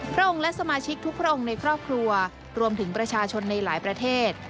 พระองค์และสมาชิกทุกพระองค์ในครอบครัวรวมถึงประชาชนในหลายประเทศ